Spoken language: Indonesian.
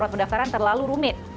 pendaftaran terlalu rumit